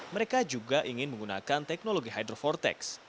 mereka juga ingin menggunakan teknologi hydrofortext